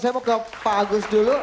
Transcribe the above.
saya mau ke pak agus dulu